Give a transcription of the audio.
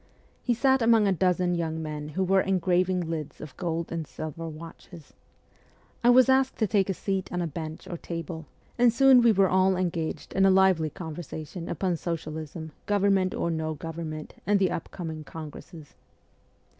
He sat among a dozen young men who were engraving lids of gold arid silver watches. I was asked to take a seat on a bench or table, and soon we were all engaged in a lively conver sation upon socialism, government or no government, and the coming congresses.